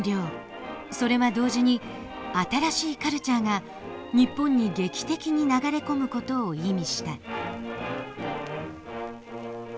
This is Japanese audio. それは同時に新しいカルチャーが日本に劇的に流れ込む事を意味した。